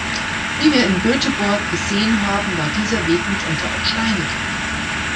Wie wir in Göteborg gesehen haben, war dieser Weg mitunter auch steinig.